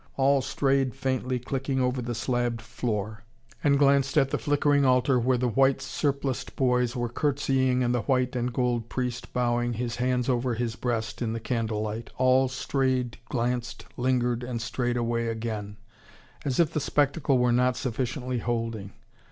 All strayed faintly clicking over the slabbed floor, and glanced at the flickering altar where the white surpliced boys were curtseying and the white and gold priest bowing, his hands over his breast, in the candle light. All strayed, glanced, lingered, and strayed away again, as if the spectacle were not sufficiently holding.